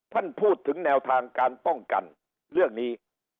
ท่านพูดถึงแนวทางการป้องกันเรื่องนี้